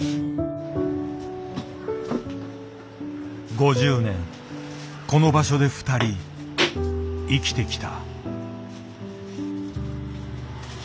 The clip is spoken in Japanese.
５０年この場所でふたり生きてきた。